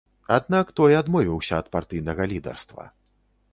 Аднак той адмовіўся ад партыйнага лідарства.